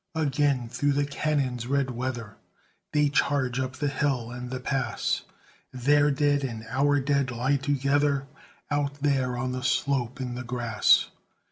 Again through the cannon's red weather They charge up the hill and the pass, Their dead and our dead lie together Out there on the slope in the grass.